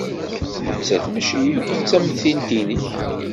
Nettat maci akk d tamtilt-nnek.